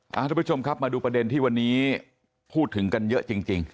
คุณผู้ชมครับมาดูประเด็นที่วันนี้พูดถึงกันเยอะจริง